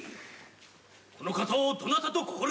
この方をどなたと心得うるか？